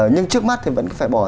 nhưng trước mắt thì vẫn phải bỏ ra